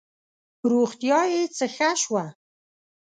روغتیا یې څه ښه شوه.